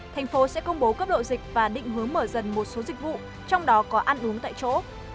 thành phố sẽ công bố cấp độ dịch và định hướng mở dần một số dịch vụ trong đó có ăn uống tại chỗ